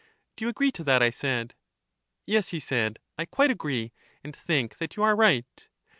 Do you agree to that, I said? Yes, he said, I quite agree, and think that you are right.